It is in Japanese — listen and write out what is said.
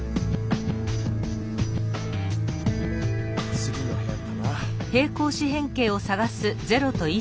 次の部屋かな？